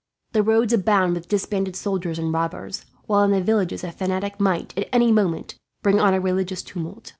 The roads abound with disbanded soldiers and robbers, while in the villages a fanatic might, at any time, bring on a religious tumult.